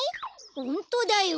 ホントだよ！